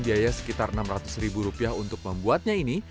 biaya sekitar enam ratus ribu rupiah untuk membuatnya ini